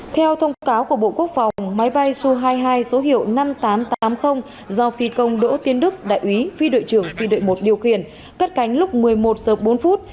theo thông cáo của bộ quốc phòng máy bay su hai mươi hai số hiệu năm nghìn tám trăm tám mươi do phi công đỗ tiến đức đại úy phi đội trưởng phi đội một điều khiển cất cánh lúc một mươi một h bốn